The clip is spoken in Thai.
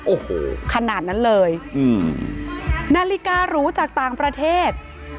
โอ้โหขนาดนั้นเลยอืมนาฬิการูจากต่างประเทศ